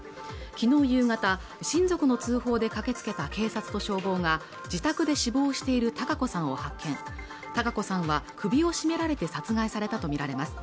昨日夕方親族の通報で駆けつけた警察と消防が自宅で死亡している堯子さんを発見堯子さんは首を絞められて殺害されたと見られます